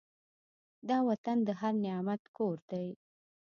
دا وطن د هر نعمت کور دی.